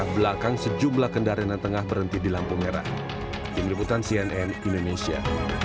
belakang sejumlah kendaraan yang tengah berhenti di lampung merah di melebutan cnn indonesia